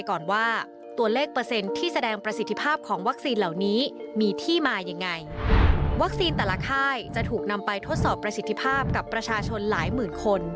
การวิจัยจะถูกนำไปทดสอบประสิทธิภาพกับประชาชนหลายหมื่นคน